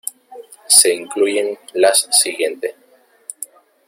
Se incluyen las siguiente.